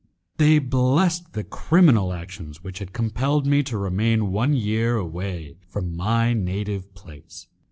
They blessed the criminal actions which had compelled me to remain one year away from my native place.